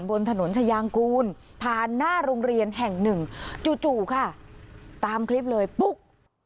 บนถนนชายางกูลผ่านหน้าโรงเรียนแห่งหนึ่งจู่ค่ะตามคลิปเลยปุ๊ก